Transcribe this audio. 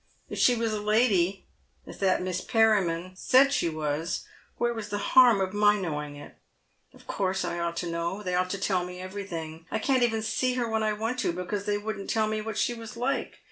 If she was a lady, as that Miss Perriman said she was, where was the harm of my knowing it ? Of course I ought to know. They ought to tell me everything. I can't even see her when I want to, because they wouldn't tell me what she was like.